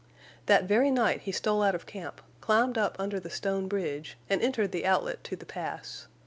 That very night he stole out of camp, climbed up under the stone bridge, and entered the outlet to the Pass.